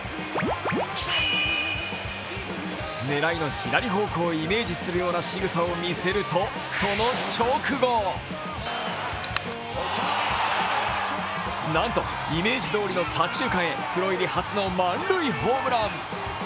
狙いの左方向をイメージするような仕草を見せるとその直後なんとイメージどおりの左中間へプロ入り初の満塁ホームラン。